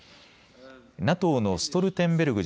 ＮＡＴＯのストルテンベルグ